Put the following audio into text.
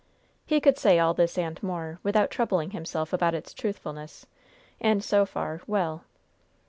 He could say all this and more, without troubling himself about its truthfulness; and so far, well.